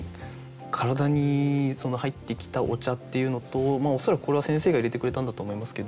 体に入ってきたお茶っていうのと恐らくこれは先生が入れてくれたんだと思いますけど。